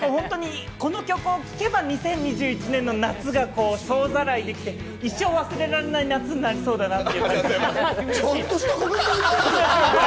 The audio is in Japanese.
この曲を聴けば、２０２１年の夏が総ざらいできて、一生忘れられない夏になりそうだと。